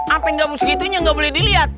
apa yang gabung segitunya nggak boleh dilihat